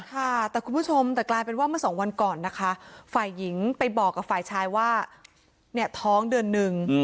ค่ะแต่คุณผู้ชมแต่กลายเป็นว่าเมื่อสองวันก่อนนะคะฝ่ายหญิงไปบอกกับฝ่ายชายว่าเนี่ยท้องเดือนหนึ่ง